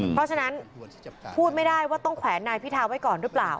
เพราะฉะนั้นพูดไม่ได้ว่าต้องแขวนนายพิทาไว้ก่อนหรือเปล่า